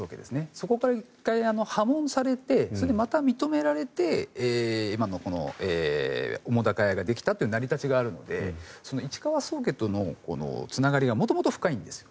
そこから１回破門されてそれでまた認められて今の澤瀉屋ができたという成り立ちがあるので市川宗家とのつながりが元々深いんです。